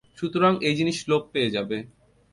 সুতরাং এ জিনিষ লোপ পেয়ে যাবে।